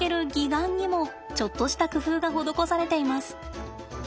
岩にもちょっとした工夫が施されています。